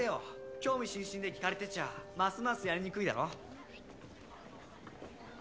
興味津々で聞かれてちゃますますやりにくいだろ？